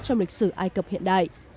trong lịch sử ai cập hiện đại